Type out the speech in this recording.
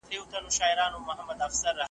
حکومت باید د ولس غږ واوري.